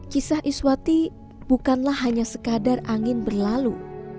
kisah iswati bukanlah hanya sekadar angin berlalu